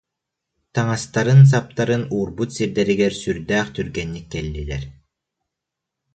Таҥастарын-саптарын уурбут сирдэригэр сүрдээх түргэнник кэллилэр